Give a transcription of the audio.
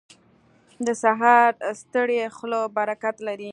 • د سهار ستړې خوله برکت لري.